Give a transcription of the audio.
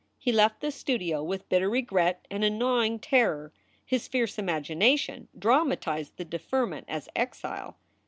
He left the studio with bitter regret and a gnawing terror. His fierce imagination dramatized the deferment as exile.